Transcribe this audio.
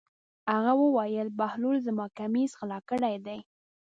هغه وویل: بهلول زما کمیس غلا کړی دی.